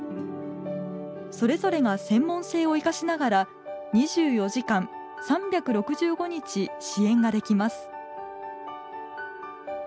それぞれが専門性を生かしながら２４時間３６５日支援ができます。